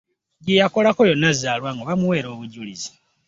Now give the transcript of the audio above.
Gye yakolerako yonna Zalwango bamuweera obujulizi.